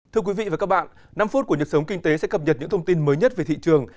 thưa quý vị và các bạn năm phút của nhật sống kinh tế sẽ cập nhật những thông tin mới nhất về thị trường